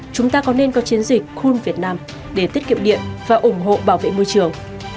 chúng ta có nên có chiến dịch khuôn việt nam để tiết kiệm điện và ủng hộ bảo vệ môi trường